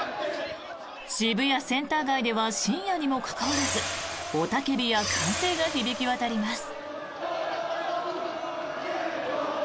渋谷センター街では深夜にもかかわらず雄たけびや歓声が響き渡ります。